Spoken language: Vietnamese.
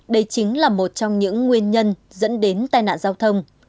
đây chính là một trong những nguyên nhân dẫn đến tai nạn giao thông